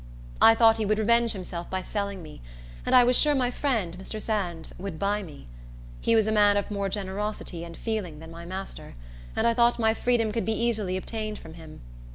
I thought he would revenge himself by selling me, and I was sure my friend, Mr. Sands, would buy me. He was a man of more generosity and feeling than my master, and I thought my freedom could be easily obtained from him.